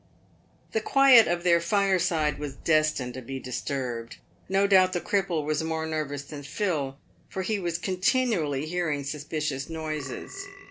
The quiet of their fireside was destined to be disturbed. No doubt the cripple was more nervous than Phil, for he was continually hearing suspicious noises.